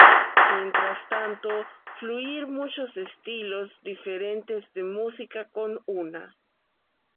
Mientras tanto fluir muchos estilos diferentes de música con una.